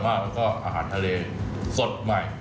อร่อยมากแล้วก็อาหารทะเลสดใหม่